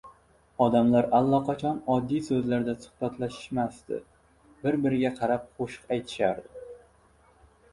odamlar allaqachon oddiy so‘zlarda suhbatlashishmasdi, bir-biriga qarab qo‘shiq aytishardi.